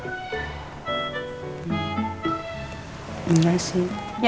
ketemu sama perempuan lainnya